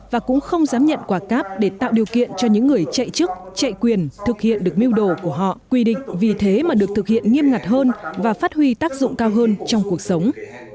và cũng không dám nhận quả cáp để tạo điều kiện cho những người chạy chức chạy quyền thực hiện được mưu đồ của họ quy định vì thế mà được thực hiện nghiêm ngặt hơn và phát huy tác dụng cao hơn trong cuộc sống